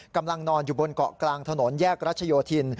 กำลังนอนอยู่บนเกาะกลางถนนแยกรัชโยธิน